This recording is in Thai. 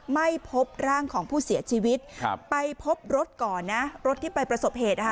ไม่พบร่างของผู้เสียชีวิตครับไปพบรถก่อนนะรถที่ไปประสบเหตุนะคะ